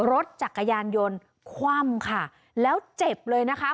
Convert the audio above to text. รถจักรยานยนต์คว่ำค่ะแล้วเจ็บเลยนะคะ